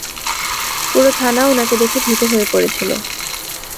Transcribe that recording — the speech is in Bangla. পুরো থানা ওনাকে দেখে ভীত হয়ে পড়েছিল।